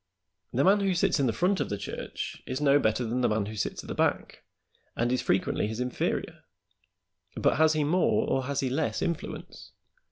The man who sits in the front of the church is no better than the man who sits at the back, and is frequently his inferior; but has he more or has he less influence?